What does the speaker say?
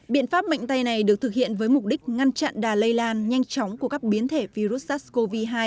biện pháp mạnh tay này được thực hiện với mục đích ngăn chặn đà lây lan nhanh chóng của các biến thể virus sars cov hai